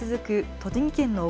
栃木県の奥